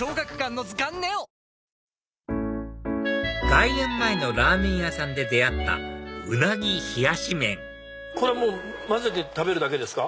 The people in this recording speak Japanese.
外苑前のラーメン屋さんで出会った鰻冷し麺これ混ぜて食べるだけですか？